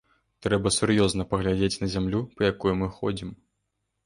Трэба сур'ёзна паглядзець на зямлю, па якой мы ходзім.